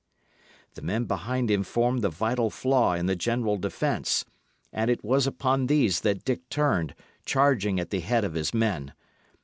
The men behind him formed the vital flaw in the general defence; and it was upon these that Dick turned, charging at the head of his men.